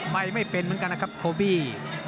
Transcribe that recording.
ไม่เป็นเหมือนกันนะครับโคบี้